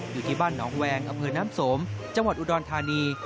อยู่ที่บ้านหนองแวงอำเภอน้ำสมจังหวัดอุดรธานี